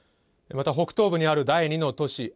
また北東部にある第２の都市